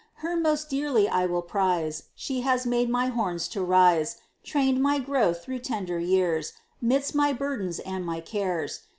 Her most dearly I will prize; She has made my horns to rise; Trained my growth through tender years, 'Midst my burdens and my cares.